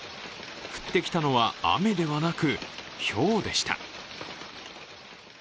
降ってきたのは雨ではなくひょうでした。